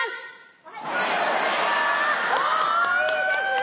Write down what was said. おいいですね！